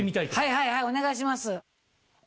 はいはいはいお願いします。